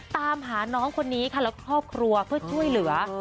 ตามหาน้องคนนี้ค่ะและครอบครัวเพื่อช่วยเหลือ